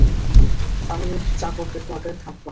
আমি চাকরদের, কোয়ার্টারে থাকবো না।